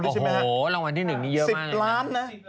๑๐ล้าน